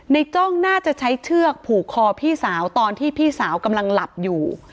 จ้องน่าจะใช้เชือกผูกคอพี่สาวตอนที่พี่สาวกำลังหลับอยู่